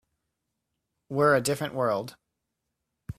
We're a different world.